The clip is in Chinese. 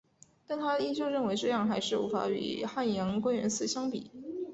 但她依旧认为这样还是无法与汉阳归元寺相比。